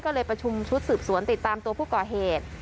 ก็เลยประชุมชุดสืบสวนติดตามตัวผู้ก่อเหตุ